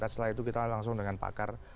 setelah itu kita langsung dengan pakar